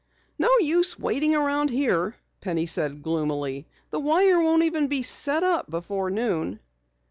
"No use waiting around here," Penny said gloomily. "The wire won't even be set up before noon."